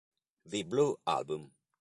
The Blue Album